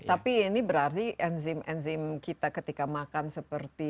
tapi ini berarti enzim enzim kita ketika makan seperti